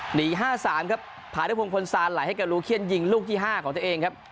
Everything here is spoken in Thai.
หนี๕๓ครับพาด้วยพงพลซานไหลให้กับลูเคียนยิงลูกที่๕ของตัวเองครับ